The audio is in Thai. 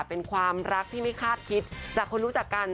เป็นความรักที่ไม่คาดคิดจากคนรู้จักกัน